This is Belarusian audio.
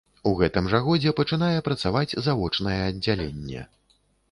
У гэтым жа годзе пачынае працаваць завочнае аддзяленне.